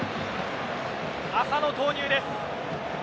浅野投入です。